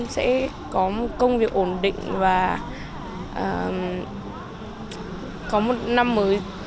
sẽ có một công việc ổn định và có một năm mới